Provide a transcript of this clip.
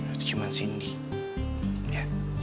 itu cuman cindy